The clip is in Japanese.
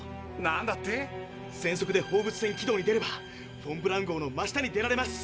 なんだって⁉全速で放物線軌道に出ればフォン・ブラウン号の真下に出られます。